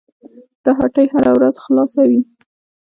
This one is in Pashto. دا هټۍ هره ورځ خلاصه وي.